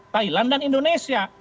thailand dan indonesia